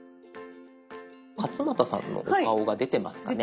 勝俣さんのお顔が出てますかね。